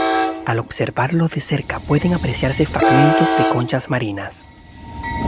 Al observarlo de cerca pueden apreciarse fragmentos de conchas marinas.